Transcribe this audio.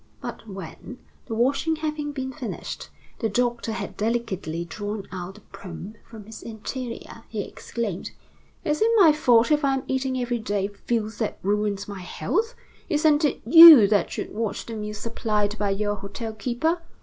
But when, the washing having been finished, the doctor had delicately drawn out the probe from his interior, he exclaimed: "Is it my fault if I am eating every day filth that ruins my health? Isn't it you that should watch the meals supplied by your hotel keeper?